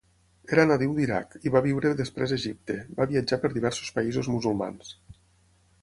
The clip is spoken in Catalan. Era nadiu d'Iraq i va viure després a Egipte; va viatjar per diversos països musulmans.